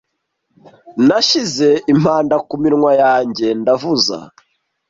Nashyize impanda ku minwa yanjye ndavuza.